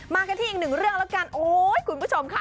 กันที่อีกหนึ่งเรื่องแล้วกันโอ้ยคุณผู้ชมค่ะ